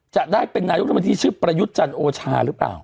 จะได้เป็นนายกรัฐมนตรีชื่อประยุทธ์จันทร์โอชาหรือเปล่า